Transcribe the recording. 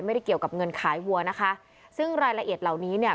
เกี่ยวกับเงินขายวัวนะคะซึ่งรายละเอียดเหล่านี้เนี่ย